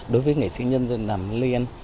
đối với nghệ sĩ nhân dân đàm liên